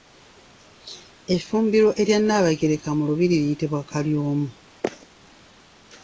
Effumbiro erya Nnaabagereka mu lubiri liyitibwa Kalyomu.